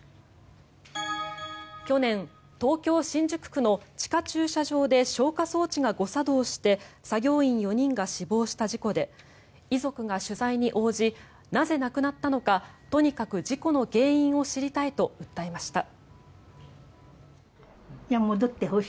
去年東京・新宿区の地下駐車場で消火装置が誤作動して作業員４人が死亡した事故で遺族が取材に応じなぜ亡くなったのかとにかく事故の原因を知りたいと訴えました。